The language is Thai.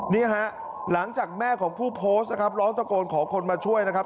นี่ฮะหลังจากแม่ของผู้โพสต์นะครับร้องตะโกนขอคนมาช่วยนะครับ